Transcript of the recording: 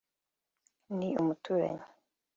ni umuturanyi